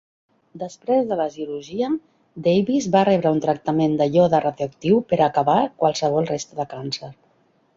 Després de la cirurgia, Davis va rebre un tractament de iode radioactiu per acabar qualsevol resta de càncer.